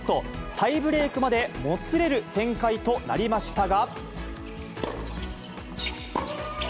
タイブレークまでもつれる展開となりましたが。